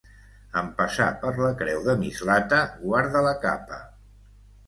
En passar per la creu de Mislata, guarda la capa.